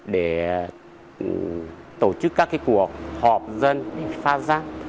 để tổ chức các cuộc họp dân phát giác